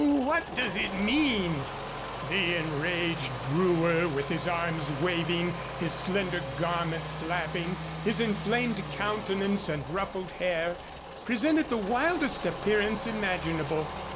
What does it mean?" The enraged brewer, with his arms waving, his slender garment flapping, his inflamed countenance and ruffled hair, presented the wildest appearance imaginable.